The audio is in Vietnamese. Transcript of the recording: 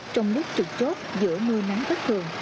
trong đất trực chốt giữa mưa nắng khốc thường